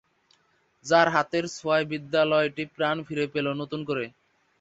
যাঁর হাতের ছোঁয়ায় বিদ্যালয়টি প্রাণ ফিরে পেল নতুন করে।